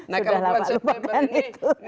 sudah lama lupakan itu